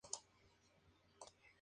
El edificio se incendió.